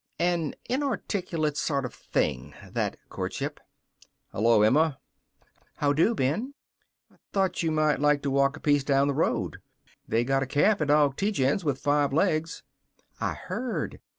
An inarticulate sort of thing, that courtship. "Hello, Emma." "How do, Ben." "Thought you might like to walk a piece down the road. They got a calf at Aug Tietjens' with five legs." "I heard.